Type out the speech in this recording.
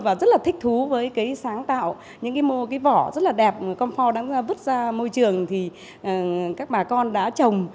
và rất là thích thú với cái sáng tạo những cái vỏ rất là đẹp con pho đang vứt ra môi trường thì các bà con đã trồng